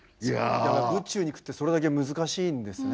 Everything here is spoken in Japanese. だから宇宙に行くってそれだけ難しいんですね